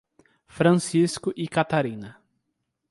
Francisco e Catarina